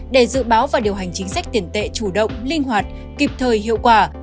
để dự báo và điều hành chính sách tiền tệ chủ động linh hoạt kịp thời hiệu quả